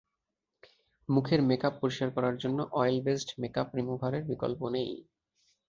মুখের মেকআপ পরিষ্কার করার জন্য অয়েল বেসড মেকআপ রিমুভারের বিকল্প নেই।